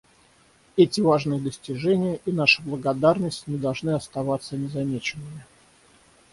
Эти важные достижения — и наша благодарность — не должны остаться незамеченными.